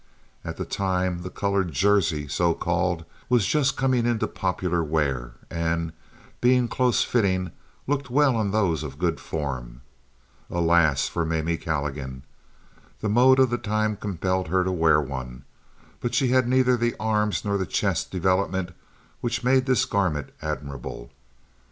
At that time the colored "jersey," so called, was just coming into popular wear, and, being close fitting, looked well on those of good form. Alas for Mamie Calligan! The mode of the time compelled her to wear one; but she had neither the arms nor the chest development which made this garment admirable.